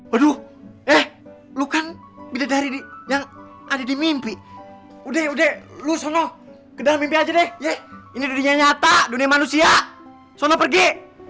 waduh eh lo kan bidadari di yang ada di mimpi udek udek lu sono ke dalam aja deh ini dunia nyata dunia manusia sono pergi